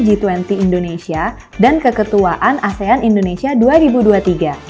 inisiatif untuk mendorong digitalisasi pembayaran dan pembayaran lintas negara merupakan agenda prioritas dalam presiden indonesia